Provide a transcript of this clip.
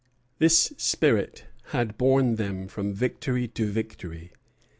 This spirit had borne them from victory to victory.